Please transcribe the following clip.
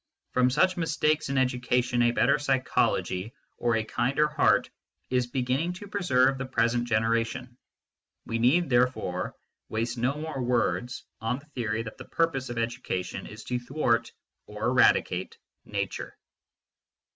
From such mistakes in education a better psychology or a kinder heart is beginning to preserve the present generation ; we need, therefore, waste no more words on the theory that the purpose of education is to thwart or eradicate nature.